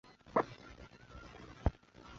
主机埠介面的沟通介面。